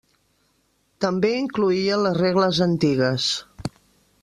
També incloïa les regles antigues.